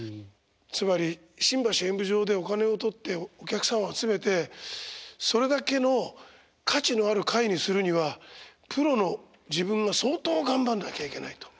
つまり新橋演舞場でお金を取ってお客さんを集めてそれだけの価値のある会にするにはプロの自分が相当頑張んなきゃいけないと。